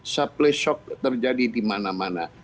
supply shock terjadi dimana mana